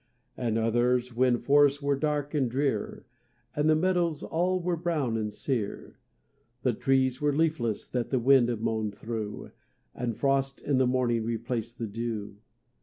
And others when forests were dark and drear, And the meadows all were brown and sear; The trees were leafless that the wind moaned through, And frost in the morning replaced the dew.